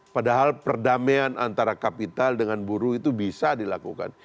padahal perdamaian antara kapital dengan buruh itu bisa dilakukan